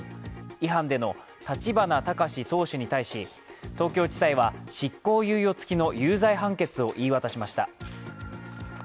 違反での立花孝志党首に対し、東京地裁は執行猶予つきの有罪判決を言い渡しました。